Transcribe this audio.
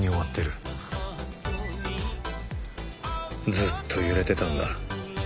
ずっと揺れてたんだ。